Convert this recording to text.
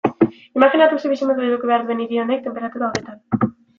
Imajinatu zer bizimodu eduki behar duen hiri batek tenperatura horretan.